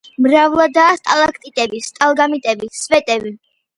მრავლადაა სტალაქტიტები, სტალაგმიტები, სვეტები.